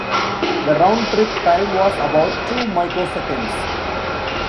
The round-trip time was about two microseconds.